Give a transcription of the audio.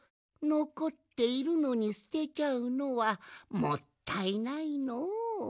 のこっているのにすてちゃうのはもったいないのう。